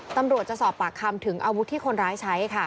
ตำรวจจะสอบปากคำถึงอาวุธที่คนร้ายใช้ค่ะ